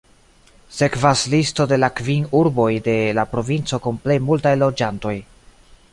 Sekvas listo de la kvin urboj de la provinco kun plej multaj loĝantoj.